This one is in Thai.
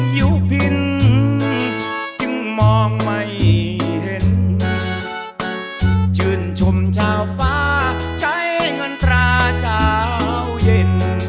ยุพินจึงมองไม่เห็นชื่นชมชาวฟ้าใช้เงินตราเช้าเย็น